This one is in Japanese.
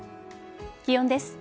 気温です。